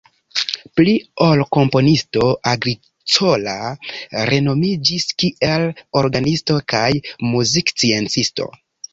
Pli ol komponisto Agricola renomiĝis kiel orgenisto kaj muziksciencisto.